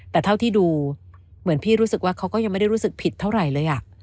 แต่เท่าที่ดูเหมือนพี่รู้สึกว่าเขาก็ยังไม่ได้รู้สึกผิดเท่าไหร่เลย